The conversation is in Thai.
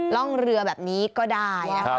ร่องเรือแบบนี้ก็ได้